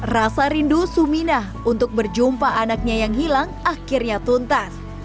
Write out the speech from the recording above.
rasa rindu suminah untuk berjumpa anaknya yang hilang akhirnya tuntas